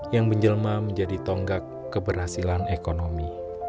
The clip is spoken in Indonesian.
yang menjelma menjadi tonggak keberhasilan ekonomi